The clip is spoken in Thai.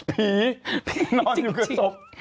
ผีนอนอยู่ในศพ